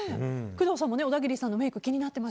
工藤さんも小田切さんのメイク